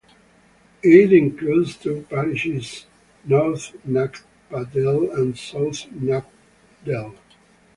It includes two parishes, North Knapdale and South Knapdale.